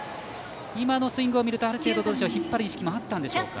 今のスイングを見ると引っ張る意識もあったんでしょうか。